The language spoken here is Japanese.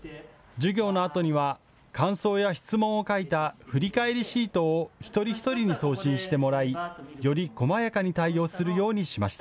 授業のあとには感想や質問を書いた振り返りシートを一人一人に送信してもらい、よりこまやかに対応するようにしました。